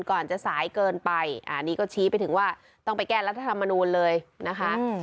ก่อนจะสายเกินไปอันนี้ก็ชี้ไปถึงว่าต้องไปแก้รัฐธรรมนูลเลยนะคะ